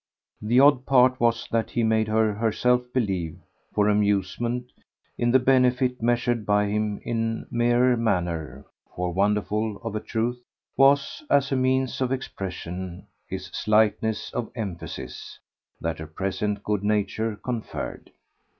The odd part was that he made her herself believe, for amusement, in the benefit, measured by him in mere manner for wonderful, of a truth, was, as a means of expression, his slightness of emphasis that her present good nature conferred.